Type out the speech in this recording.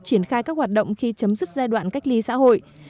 triển khai các hoạt động khi chấm dứt giai đoạn cách ly xã hội